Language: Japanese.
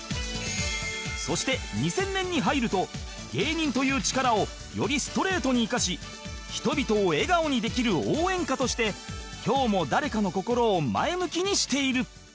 そして２０００年に入ると芸人という力をよりストレートに生かし人々を笑顔にできる応援歌として今日も誰かの心を前向きにしている